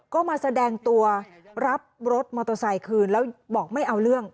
ก็มาแสดงตัวรับรถมอเตอร์ไซค์คืนแล้วบอกไม่เอาเรื่อง